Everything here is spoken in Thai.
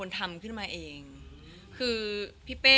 จะรักเธอเพียงคนเดียว